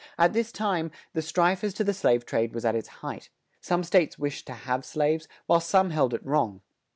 At this time, the strife as to the slave trade was at its height; some states wished to have slaves, while some held it wrong.